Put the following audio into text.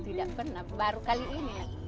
tidak pernah baru kali ini